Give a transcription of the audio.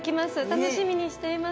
楽しみにしています